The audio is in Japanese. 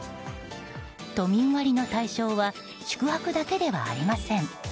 都民割の対象は宿泊だけではありません。